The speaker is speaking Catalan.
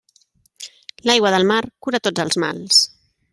L'aigua del mar cura tots els mals.